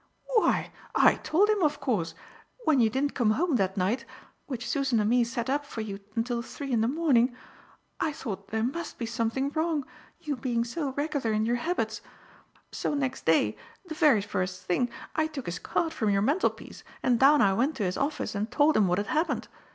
"Why I told him, of course. When you didn't come home that night which Susan and me sat up for you until three in the morning I thought there must be something wrong, you being so regular in your habits; so next day, the very first thing, I took his card from your mantelpiece and down I went to his office and told him what had happened.